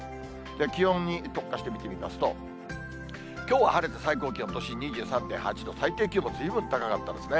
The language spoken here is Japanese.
気温に特化して見てみますと、きょうは晴れて最高気温、都心２３．８度、最低気温もずいぶん高かったですね。